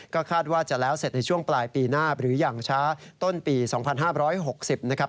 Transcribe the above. ก็คาดว่าจะแล้วเสร็จในช่วงปลายปีหน้าหรืออย่างช้าต้นปี๒๕๖๐นะครับ